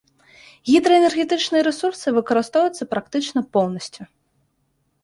Гідраэнергетычныя рэсурсы выкарыстоўваюцца практычна поўнасцю.